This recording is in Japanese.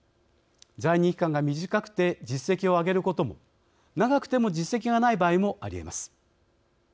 在任期間が短くて実績を上げることも長くても実績がない場合もありえます。